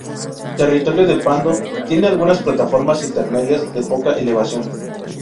El territorio de Pando tiene algunas plataformas intermedias de poca elevación.